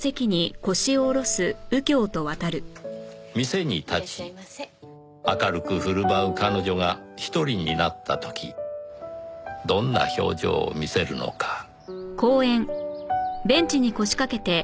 店に立ち明るく振る舞う彼女が一人になった時どんな表情を見せるのかはあ。